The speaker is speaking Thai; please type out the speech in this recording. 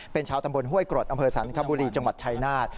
เป็นชาวตำบลห้วยกรดอำเภอสันคบุรีจังหวัดชายนาฏ